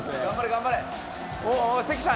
頑張れ！